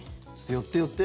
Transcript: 寄って寄って。